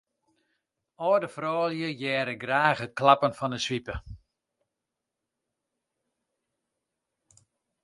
Alde fuorlju hearre graach it klappen fan 'e swipe.